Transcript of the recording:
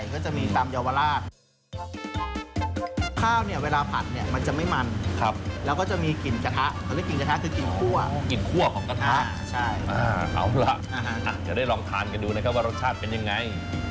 เดี๋ยวได้ลองทานกันดูนะครับว่ารสชาติเป็นยังไง